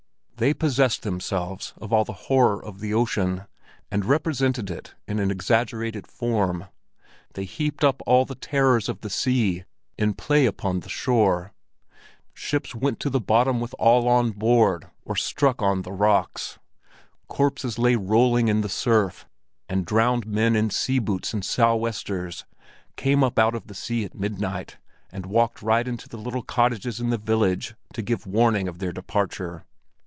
They possessed themselves of all the horror of the ocean, and represented it in an exaggerated form; they heaped up all the terrors of the sea in play upon the shore: ships went to the bottom with all on board or struck on the rocks; corpses lay rolling in the surf, and drowned men in sea boots and sou'westers came up out of the sea at midnight, and walked right into the little cottages in the village to give warning of their departure.